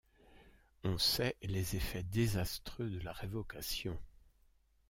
On sait les effets désastreux de la Révocation.